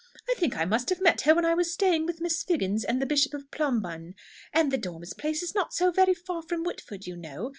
"I think I must have met her when I was staying with Mrs. Figgins and the Bishop of Plumbunn. And the Dormers' place is not so very far from Whitford, you know.